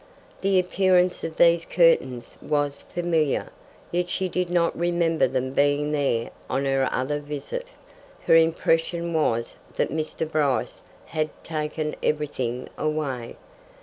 The appearance of these curtains was familiar, yet she did not remember them being there on her other visit: her impression was that Mr. Bryce had taken everything away.